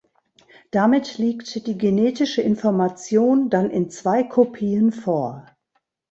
Damit liegt die genetische Information dann in zwei Kopien vor.